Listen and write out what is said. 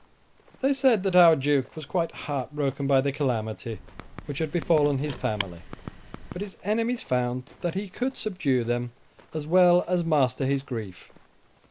They said that our Duke was quite heart broken by the calamity which had befallen his family; but his enemies found that he could subdue them, as well as master his grief.